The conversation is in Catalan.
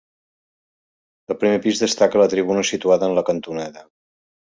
Del primer pis destaca la tribuna situada en la cantonada.